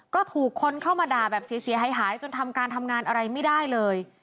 ก็ถูกคนเข้ามาด่าแบบเสียหายจนทำการทำงานอะไรไม่ได้เลย